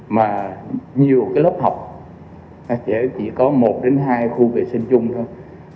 mà nhiều cái lớp học chỉ có một đến hai khu vệ sinh chung thôi